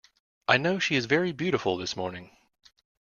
I know she is very beautiful this morning.